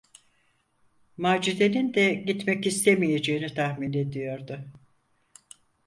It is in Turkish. Macide’nin de gitmek istemeyeceğini tahmin ediyordu.